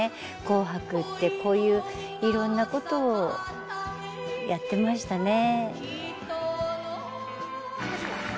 「紅白」ってこういういろんなことをやってましたね。